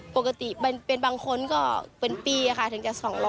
ปกติเป็นบางคนก็เป็นปีค่ะถึงจะ๒๐๐